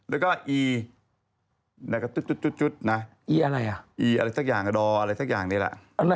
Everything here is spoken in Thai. แล้วก็อีจุดใหม่อีอะไรอ่ะอีอะไรสักอย่างดอล์ปอะไรสักอย่างนี่ล่ะ